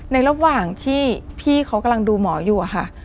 ในระหว่างที่พี่เขากำลังดูหมออยู่อะค่ะ